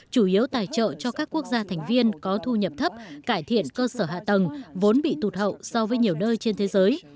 chủ yếu tài trợ cho các quốc gia thành viên có thu nhập thấp cải thiện cơ sở hạ tầng vốn bị tụt hậu so với nhiều nơi trên thế giới